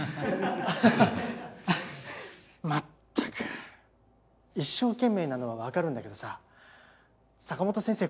まったく一生懸命なのはわかるんだけどさ坂本先生